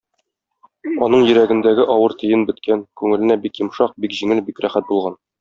Аның йөрәгендәге авыр төен беткән, күңеленә бик йомшак, бик җиңел, бик рәхәт булган.